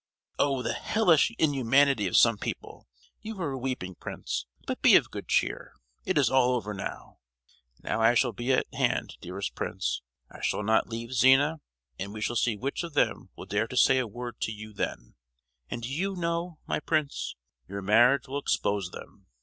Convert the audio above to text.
Oh, the hellish inhumanity of some people! You are weeping, Prince; but be of good cheer—it is all over now! Now I shall be at hand, dearest Prince,—I shall not leave Zina; and we shall see which of them will dare to say a word to you, then! And do you know, my Prince, your marriage will expose them!